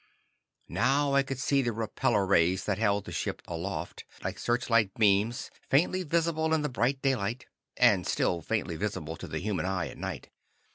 Now I could see the repellor rays that held the ship aloft, like searchlight beams faintly visible in the bright daylight (and still faintly visible to the human eye at night).